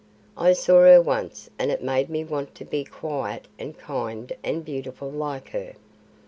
I saw her once and it made me want to be quiet and kind and beautiful like her.